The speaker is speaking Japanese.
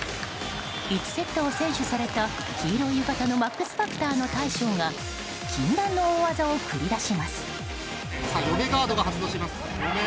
１セットを先取された黄色い浴衣のマックスファクターの大将が禁断の大技を繰り出します。